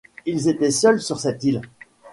Ils étaient seuls sur cette île.